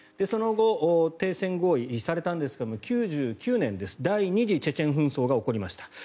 その後、停戦合意されたんですが９９年、第２次チェチェン紛争が起こりました。